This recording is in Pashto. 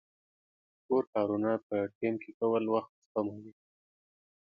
د کور کارونه په ټیم کې کول وخت سپموي.